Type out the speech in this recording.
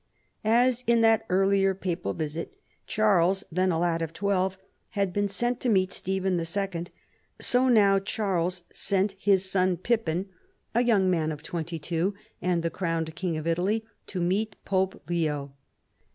As in that earlier papal visit Charles, then a lad of twelve, had been sent to meet Stephen II., so now did Charles send his son Pippin (a young man CAROLUS AUGUSTUS. 247 of twenty two and the crowned king of Italy) to meet Pope Leo.